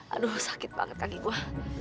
aduh sakit banget kaki gue